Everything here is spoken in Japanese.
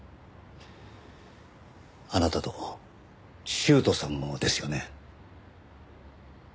あなたと修斗さんもですよね。